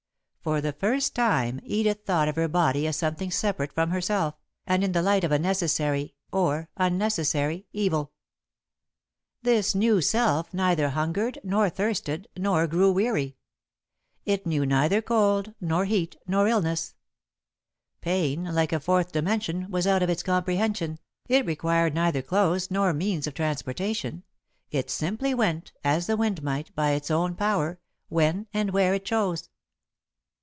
For the first time Edith thought of her body as something separate from herself, and in the light of a necessary or unnecessary evil. This new self neither hungered nor thirsted nor grew weary; it knew neither cold nor heat nor illness; pain, like a fourth dimension, was out of its comprehension, it required neither clothes nor means of transportation, it simply went, as the wind might, by its own power, when and where it chose.